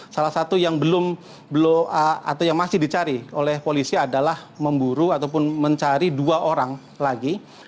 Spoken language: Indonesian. salah satu yang masih dicari oleh polisi adalah memburu ataupun mencari dua orang lagi